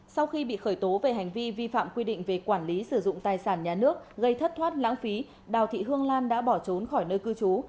sau khi bị khởi tố về hành vi vi phạm quy định về quản lý sử dụng tài sản nhà nước gây thất thoát lãng phí đào thị hương lan đã bỏ trốn khỏi nơi cư trú